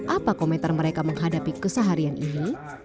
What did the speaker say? apa komentar mereka menghadapi keseharian ini